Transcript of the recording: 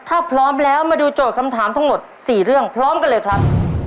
ถ้าพร้อมแล้วมาดูโจทย์คำถามทั้งหมด๔เรื่องพร้อมกันเลยครับ